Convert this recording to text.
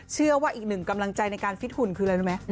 เชื่อว่าอีกหนึ่งกำลังใจในการฟิตหุ่นคืออะไรรู้ไหม